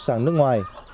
sang nước ngoài